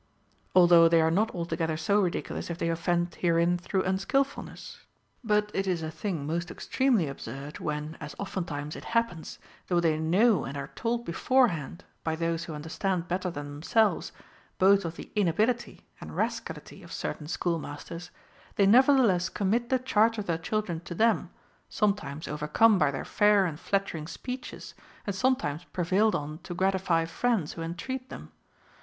Although they are not altogether so ridiculous, if they offend herein through unskilfulness ; but it is a thing most extremely absurd, Avhen, as oftentimes it happens, though they know and are told beforehand, by those who understand better than themselves, both of the inability and rascality of cer tain schoolmasters, they nevertheless commit the charge of their children to them, sometimes overcome by their fair and flattering speeches, and sometimes prevailed on to gratify friends who entreat them.